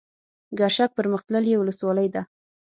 ګرشک پرمختللې ولسوالۍ ده.